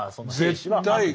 絶対。